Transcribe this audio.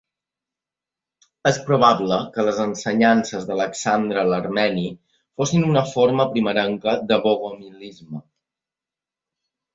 És probable que les ensenyances d'Alexandre l'armeni fossin una forma primerenca de bogomilisme.